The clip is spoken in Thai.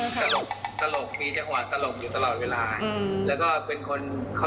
ก็ทำนานด้วยง่ายครับ